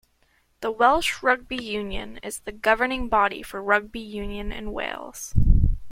The Welsh Rugby Union is the governing body for rugby union in Wales.